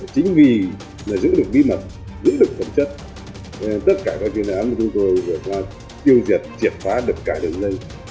chính vì giữ được bí mật giữ được phẩm chất tất cả các chuyên án của chúng tôi được tiêu diệt triệt phá được cả đường dân